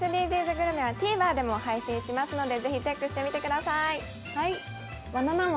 グルメはＴＶｅｒでも配信しますので、ぜひチェックしてみてください。